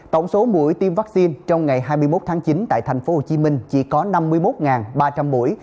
tổng số mũi tiêm vaccine trong ngày hai mươi một tháng chín tại thành phố hồ chí minh chỉ có năm mươi một ba trăm linh mũi